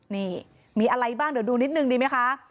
นี่มีอะไรบ้างเดี๋ยวดูนิดนึงดีไหมคะ